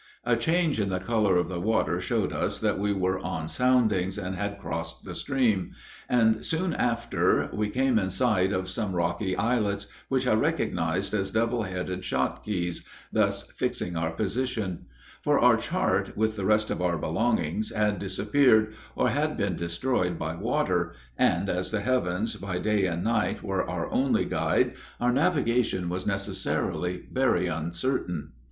A change in the color of the water showed us that we were on soundings, and had crossed the Stream, and soon after we came in sight of some rocky islets, which I recognized as Double Headed Shot Keys, thus fixing our position; for our chart, with the rest of our belongings, had disappeared, or had been destroyed by water, and as the heavens, by day and night, were our only guide, our navigation was necessarily very uncertain.